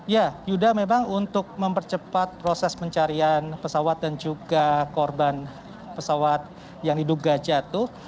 ya yuda memang untuk mempercepat proses pencarian pesawat dan juga korban pesawat yang diduga jatuh